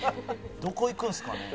「どこ行くんすかね」